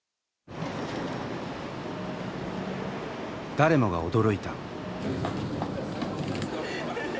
誰もが驚いた。